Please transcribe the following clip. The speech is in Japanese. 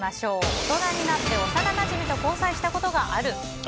大人になって幼なじみと交際したことがある？